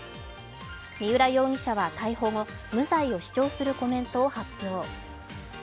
三浦容疑者は逮捕後無罪を主張するコメントを発表。